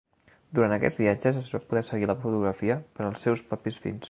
Durant aquests viatges es va poder seguir la fotografia per als seus propis fins.